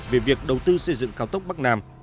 về việc đầu tư xây dựng cao tốc bắc nam